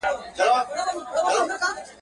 لا یې خوله وي د غلیم په کوتک ماته..